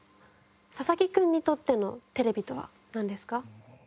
佐々木君にとってのテレビとはなんですか？